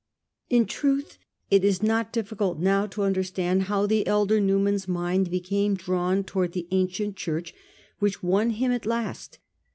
In truth, it is not difficult now to understand how the elder Newman's mind became drawn to wards the ancient Church which won him at last.